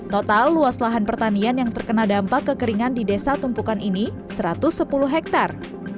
total luas lahan pertanian yang terkena dampak kekeringan di desa tumpukan ini satu ratus sepuluh hektare